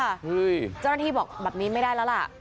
เจ้าหน้าที่บอกแบบนี้ไม่ได้แล้วล่ะ